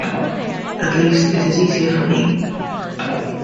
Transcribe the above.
At least, it is easier for me.